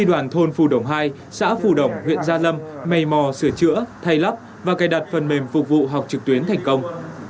đoàn thôn phù đồng hai xã phù đồng huyện gia lâm mây mò sửa chữa thay lắp và cài đặt phần mềm phục vụ học trực tuyến thành công